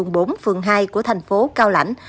đường hai của thành phố cao lãnh